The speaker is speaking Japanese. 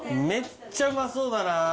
めっちゃうまそうだな。